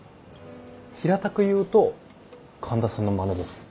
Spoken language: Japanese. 平たく言うと環田さんのマネです。